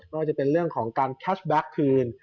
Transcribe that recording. ว่าจะเป็นเรื่องของการแคชแบ็คคืน